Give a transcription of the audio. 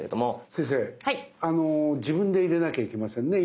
先生自分で入れなきゃいけませんね